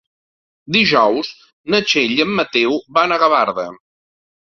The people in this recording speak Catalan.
Dijous na Txell i en Mateu van a Gavarda.